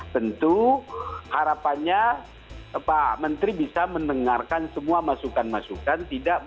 tentu harapannya pak menteri bisa mendengarkan semua masukan masukan